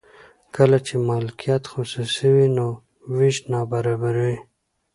کله چې مالکیت خصوصي وي نو ویش نابرابر وي.